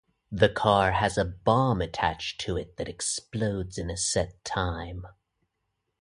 The car has a bomb attached to it that explodes in a set time.